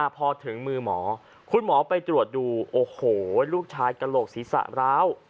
พอถึงมือหมอคุณหมอไปตรวจดูโอ้โหลูกชายกระโหลกศีรษะร้าว